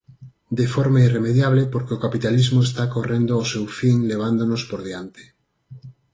De forma irremediable porque o capitalismo está correndo ao seu fin levándonos por diante.